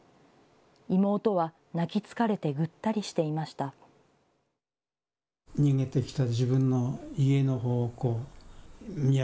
妹は泣き疲れてぐったりしていました。